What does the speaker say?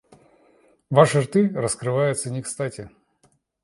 Ваши рты раскрываются некстати.